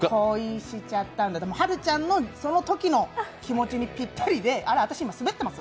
はるちゃんのそのときの気持ちにぴったりであら、私、今スベッてます？